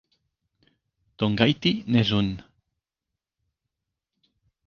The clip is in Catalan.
Tongahiti n'és un.